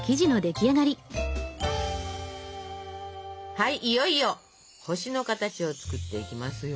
はいいよいよ星の形を作っていきますよ。